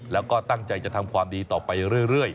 แล้วก็ตั้งใจจะทำความดีต่อไปเรื่อย